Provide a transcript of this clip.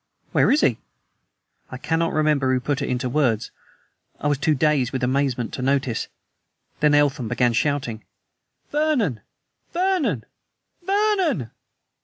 "Where is he?" I cannot remember who put it into words; I was too dazed with amazement to notice. Then Eltham began shouting: "Vernon! Vernon! VERNON!"